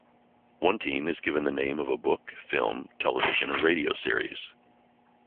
One team is given the name of a book, film, television or radio series.